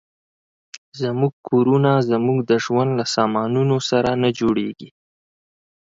زموږ کورونه زموږ د ژوند له سامانونو سره نه جوړېږي.